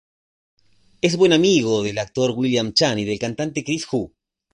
Es buen amigo del actor William Chan y del cantante Kris Wu.